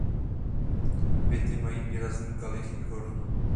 Květy mají výrazný kalich i korunu.